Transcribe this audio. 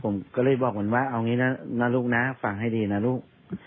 ผมก็เลยบอกเหมือนว่าเอาอย่างงี้นะนะลูกน่ะฟังให้ดีนะลูก